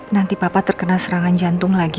nanti papa terkena serangan jantung lagi